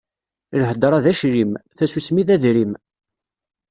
Lhedṛa d aclim, tasusmi d adrim.